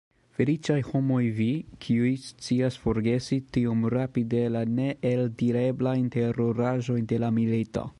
Feliĉaj homoj vi, kiuj scias forgesi tiom rapide la neeldireblajn teruraĵojn de la milito!